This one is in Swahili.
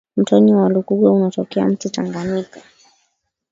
Mtoni wa lukuga unatokea mu tanganika